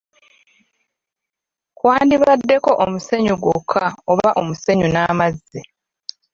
Kwalibaddeko omusenyu gwokka oba omusenyu n’amazzi.